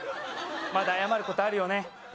まだ謝ることあるよね？